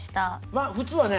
まあ普通はね